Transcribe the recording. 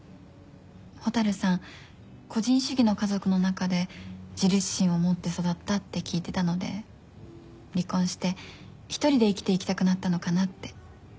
蛍さん個人主義の家族の中で自立心を持って育ったって聞いてたので離婚して１人で生きていきたくなったのかなって。